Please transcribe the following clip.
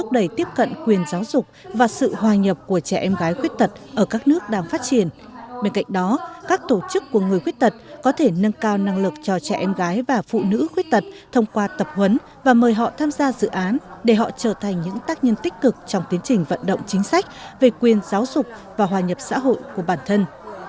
bên cạnh đó các tổ chức của người khuyết tật có thể nâng cao năng lực cho trẻ em gái và phụ nữ khuyết tật thông qua tập huấn và mời họ tham gia dự án để họ trở thành những tác nhân tích cực trong tiến trình vận động chính sách về quyền giáo dục và hòa nhập xã hội của bản thân